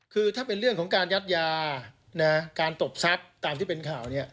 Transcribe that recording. คือถ้าเป็นเรื่องของการยัดยาการตบทรัพย์ตามที่เป็นข่าวเนี่ย